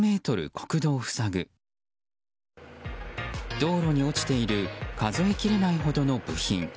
道路に落ちている数え切れないほどの部品。